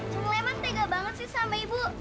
cang leman tega banget sih sama ibu